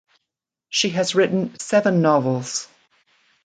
She has written seven novels.